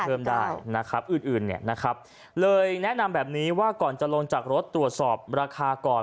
เพิ่มได้อื่นเลยแนะนำแบบนี้ว่าก่อนจะลงจากรถตรวจสอบราคาก่อน